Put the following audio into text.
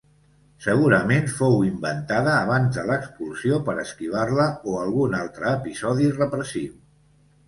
Segurament fou inventada abans de l'expulsió per esquivar-la o a algun altre episodi repressiu.